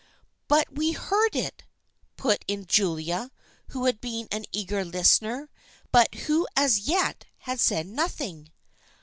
" But we heard it," put in Julia, who had been an eager listener, but who as yet had said nothing.